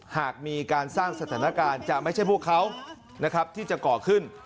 หากมีการสร้างสถานการณ์จะไม่ใช่พวกเขานะครับที่จะก่อขึ้น